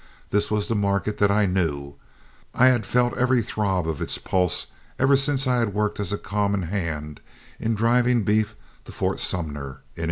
This was the market that I knew. I had felt every throb of its pulse ever since I had worked as a common hand in driving beef to Fort Sumner in 1866.